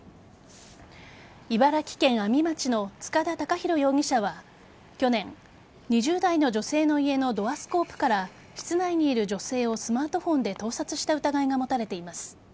茨城県阿見町の塚田隆裕容疑者は去年、２０代の女性の家のドアスコープから室内にいる女性をスマートフォンで盗撮した疑いが持たれています。